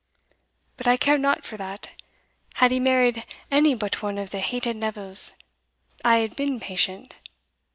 But I care not for that had he married any but one of the hated Nevilles, I had been patient.